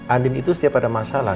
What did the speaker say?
andim itu setiap ada masalah